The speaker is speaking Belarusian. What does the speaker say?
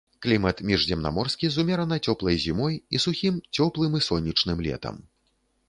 Клімат міжземнаморскі з умерана цёплай зімой і сухім, цёплым і сонечным летам.